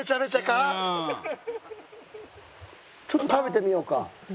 ちょっと食べてみようか。